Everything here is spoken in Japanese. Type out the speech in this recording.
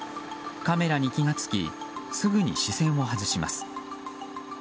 カメラに気が付きすぐに視線を外します。